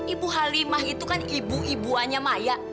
ibu halimah itu kan ibu ibuanya maya